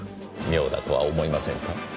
妙だとは思いませんか？